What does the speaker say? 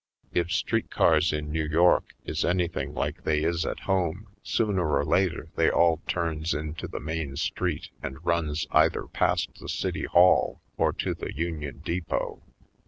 If street cars in New York is anything like they is at 70 /. Poindexter^ Colored home, sooner or later they all turns into the main street and runs either past the City Hall or to the Union Depot.